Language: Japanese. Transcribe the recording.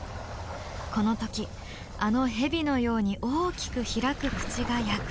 この時あのヘビのように大きく開く口が役に立つ。